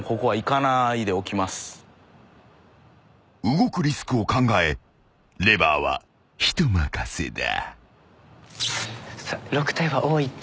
［動くリスクを考えレバーは人任せだ］